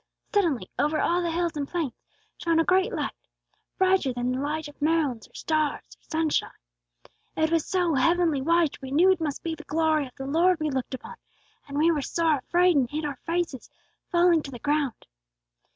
Suddenly over all the hills and plains shone a great light, brighter than light of moon or stars or sunshine. It was so heavenly white we knew it must be the glory of the Lord we looked upon and we were sore afraid, and hid our faces, falling to the ground.